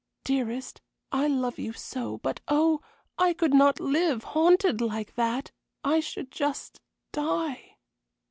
Dearest, I love you so; but oh, I could not live, haunted like that; I should just die."